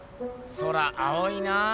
空青いなぁ。